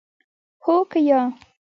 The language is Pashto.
هو که یا ؟